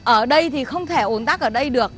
ở đây thì không thể ồn tắc ở đây được